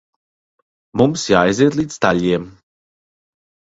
Mums jāaiziet līdz staļļiem.